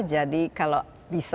jadi kalau bisa